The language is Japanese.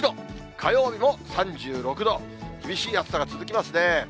火曜日も３６度、厳しい暑さが続きますね。